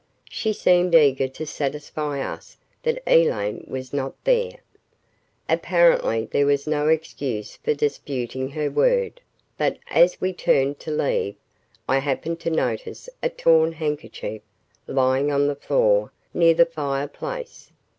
She seemed eager to satisfy us that Elaine was not there. Apparently there was no excuse for disputing her word, but, as we turned to leave, I happened to notice a torn handkerchief lying on the floor near the fireplace.